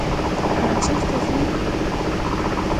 _نو چېرته ځو؟